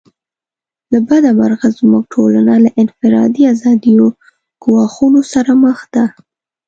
له بده مرغه زموږ ټولنه له انفرادي آزادیو ګواښونو سره مخ ده.